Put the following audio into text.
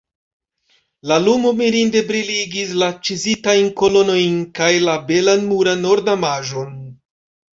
La lumo mirinde briligis la ĉizitajn kolonojn kaj la belan muran ornamaĵon.